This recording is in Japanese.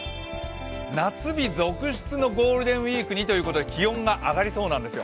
夏日続出のゴールデンウイークにということで、気温が上がりそうなんですよ